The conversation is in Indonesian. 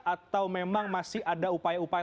atau memang masih ada upaya upaya